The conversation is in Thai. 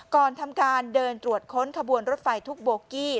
ก่อนทำการเดินตรวจค้นขบวนรถไฟทุกโบกี้